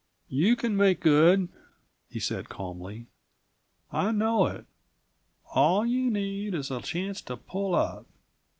"You can make good!" he said calmly. "I know it. All you need is a chance to pull up.